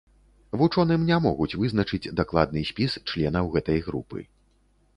Вучоным не могуць вызначыць дакладны спіс членаў гэтай групы.